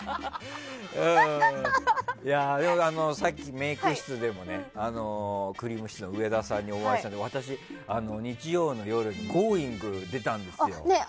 さっき、メイク室でもくりぃむしちゅーの上田さんにお会いしたんですが私、日曜日の夜に「Ｇｏｉｎｇ！」出たんですよ。